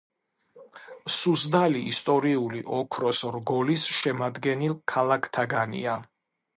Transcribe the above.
სუზდალი ისტორიული ოქროს რგოლის შემადგენელ ქალაქთაგანია.